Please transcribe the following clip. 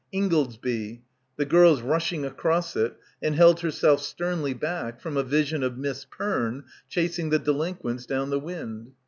... Ingoldsby— the girls rushing across it, and held herself sternly back from a vision of Miss Perne chasing the delinquents down the wind.